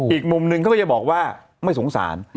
อีกมุมนึงเขาก็จะบอกว่าไม่สงสาร